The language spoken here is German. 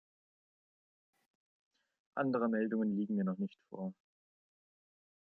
Andere Meldungen liegen mir noch nicht vor.